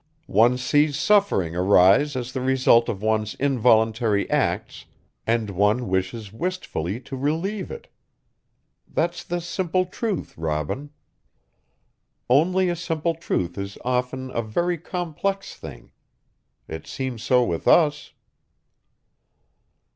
One sees suffering arise as the result of one's involuntary acts, and one wishes wistfully to relieve it. That's the simple truth, Robin. Only a simple truth is often a very complex thing. It seems so with us."